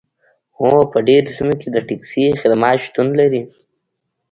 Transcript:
هو په ډیرو سیمو کې د ټکسي خدمات شتون لري